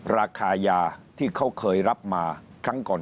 ราคายาที่เขาเคยรับมาครั้งก่อน